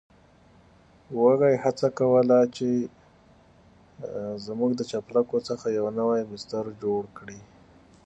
وزې هڅه کوله چې زموږ د چپلکو څخه يو نوی بستر جوړ کړي.